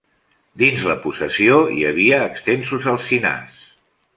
Dins la possessió hi havia extensos alzinars.